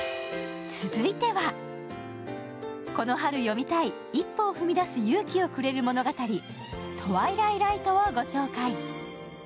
この春読みたい、一歩を踏み出す勇気をくれる物語、「トワイライライト」をご紹介。